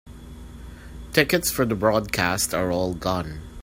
Tickets for the broadcast are all gone.